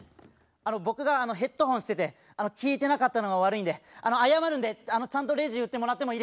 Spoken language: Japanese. あの僕がヘッドホンしてて聞いてなかったのが悪いんで謝るんでちゃんとレジ打ってもらってもいいですか？